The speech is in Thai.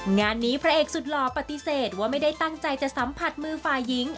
งานนี้พระเอกสุดหล่อปฏิเสธว่าไม่ได้ตั้งใจจะสัมผัสมือฝ่ายหญิง